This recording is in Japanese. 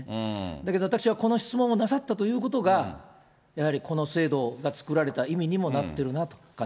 だけど私はこの質問をなさったということが、やはりこの制度が作られた意味にもなってるなと感じます。